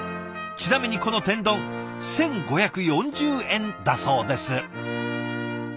ちなみにこの天丼１，５４０円だそうです。